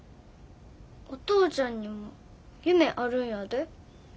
お父ちゃんにも夢あるんやで。